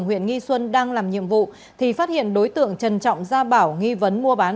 huyện nghi xuân đang làm nhiệm vụ thì phát hiện đối tượng trần trọng gia bảo nghi vấn mua bán